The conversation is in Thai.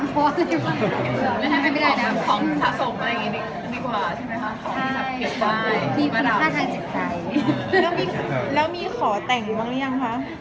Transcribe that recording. พี่มีโฆษณาทางจิมใจแล้วมีขอแต่งรู้อย่างฮะ